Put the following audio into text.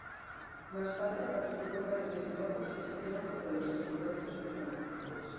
Más tarde, participó en varios desembarcos que se hicieron contra los insurrectos en Cuba.